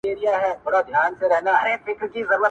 زه مین پر سور او تال یم په هر تار مي زړه پېیلی -